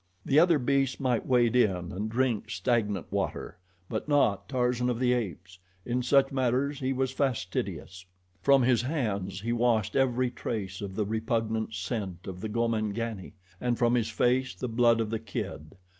The other beasts might wade in and drink stagnant water; but not Tarzan of the Apes. In such matters he was fastidious. From his hands he washed every trace of the repugnant scent of the Gomangani, and from his face the blood of the kid.